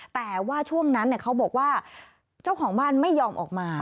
แต่ว่าช่วงนั้นเขาบอกว่าเจ้าของบ้านไม่ยอมออกมา